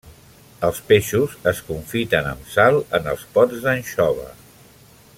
Els peixos es confiten amb sal en els pots d'anxova.